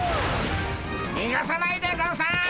にがさないでゴンス！